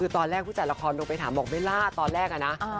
คือตอนแรกผู้จัดละครโทรไปถามบอกเบลล่าตอนแรกอะนะ